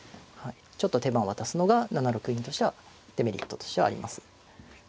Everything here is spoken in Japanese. ちょっと手番渡すのが７六銀としてはデメリットとしてはあります。